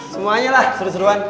semuanya lah seru seruan